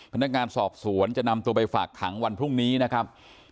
พนักงานสอบสวนจะนำตัวไปฝากขังวันพรุ่งนี้นะครับ